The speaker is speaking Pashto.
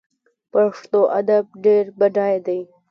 پښتو ادب ډیر بډای دی